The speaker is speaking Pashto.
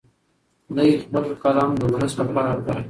دی خپل قلم د ولس لپاره کاروي.